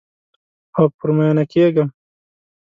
او پر میینه کیږم